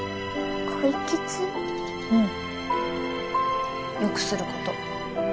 うん。よくすること。